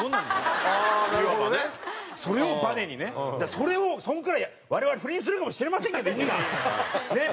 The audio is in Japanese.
それをそのくらい我々不倫するかもしれませんけどいつかねっ？